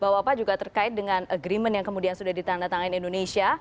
bahwa apa juga terkait dengan agreement yang kemudian sudah ditandatangani indonesia